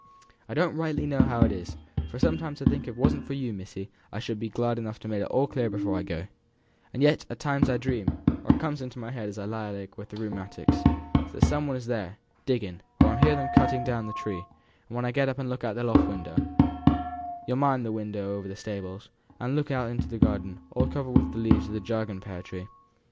"I don't rightly know how it is, for I sometimes think if it wasn't for you, missy, I should be glad to have made it all clear before I go; and yet at times I dream, or it comes into my head as I lie awake with the rheumatics, that some one is there, digging; or that I hear 'em cutting down the tree; and then I get up and look out of the loft window you'll mind the window over the stables, as looks into the garden, all covered over wi' the leaves of the jargonelle pear tree?